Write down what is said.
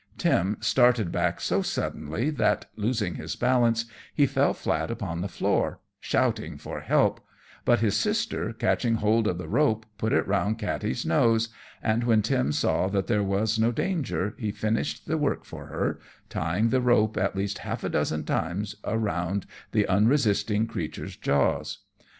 Tim started back so suddenly that, losing his balance, he fell flat upon the floor, shouting for help, but his sister, catching hold of the rope, put it round Katty's nose; and when Tim saw that there was no danger he finished the work for her, tying the rope at least half a dozen times round the unresisting creature's jaws.